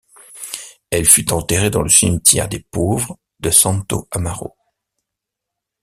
Elle fut enterrée dans le cimetière des pauvres de Santo Amaro.